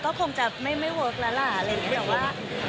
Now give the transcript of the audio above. ก็คงจะไม่เวิร์คแล้วล่ะอะไรอย่างนี้แต่ว่า